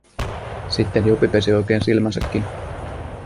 Sitten Jopi pesi oikein silmänsäkin.